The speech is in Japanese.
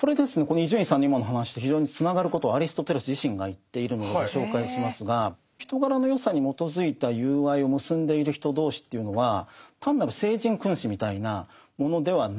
伊集院さんの今の話と非常につながることをアリストテレス自身が言っているのでご紹介しますが人柄の善さに基づいた友愛を結んでいる人同士というのは単なる聖人君子みたいなものではないんです。